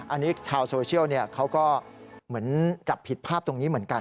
อันนี้ชาวโซเชียลเขาก็เหมือนจับผิดภาพตรงนี้เหมือนกัน